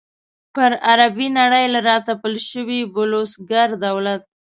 پر عربي نړۍ له را تپل شوي بلوسګر دولت.